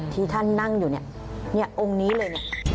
ที่ท่านนั่งอยู่องค์นี้เลย